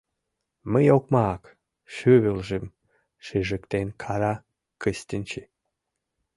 Мый окмак! — шӱвылжым шыжыктен кара Кыстинчи.